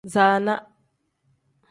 Zaana.